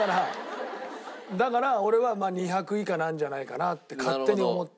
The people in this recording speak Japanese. だから俺は２００以下なんじゃないかなって勝手に思った。